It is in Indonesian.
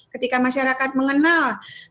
ketika masyarakat mengenal